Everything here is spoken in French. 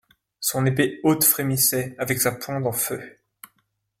Son épée haute frémissait, avec sa pointe en feu.